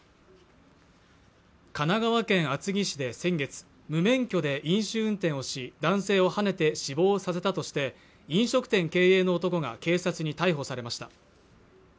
神奈川県厚木市で先月無免許で飲酒運転をし男性をはねて死亡させたとして飲食店経営の男が警察に逮捕されました